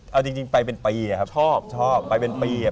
เอาจริงไปเป็นปีอะครับชอบชอบไปเป็นปี